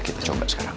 kita coba sekarang